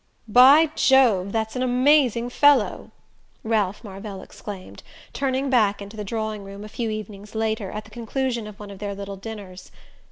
"By Jove, that's an amazing fellow!" Ralph Marvell exclaimed, turning back into the drawing room, a few evenings later, at the conclusion of one of their little dinners.